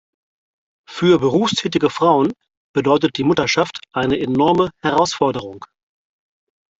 Für berufstätige Frauen bedeutet die Mutterschaft eine enorme Herausforderung.